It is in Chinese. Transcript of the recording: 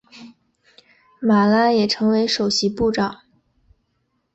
马拉也成为首席部长。